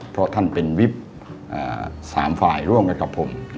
เพราะท่านเป็นวิทสามฝ่ายร่วมกับผม